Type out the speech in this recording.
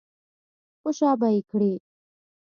په شا به یې کړې.